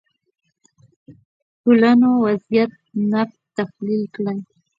ټولنو وضعیت نقد تحلیل کړي